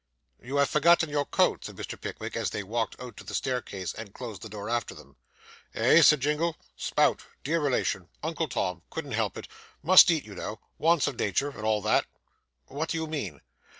'You have forgotten your coat,' said Mr. Pickwick, as they walked out to the staircase, and closed the door after them. 'Eh?' said Jingle. 'Spout dear relation uncle Tom couldn't help it must eat, you know. Wants of nature and all that.' 'What do you mean?